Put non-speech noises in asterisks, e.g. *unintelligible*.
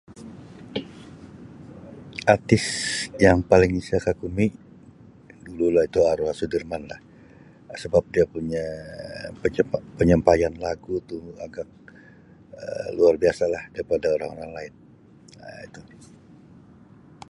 Artis yang paling saya kagumi dulu lah itu arwah Sudirman lah sebab dia punya *unintelligible* penyampaian lagu tu agak Um luar biasa lah daripada orang-orang lain Um itu.